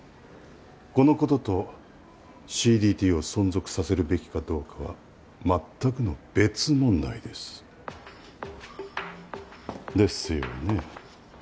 このこととＣＤＴを存続させるべきかどうかは全くの別問題です。ですよね？